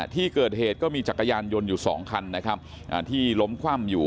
ที่เกิดเหตุก็มีจักรยานยนต์อยู่สองคันนะครับที่ล้มคว่ำอยู่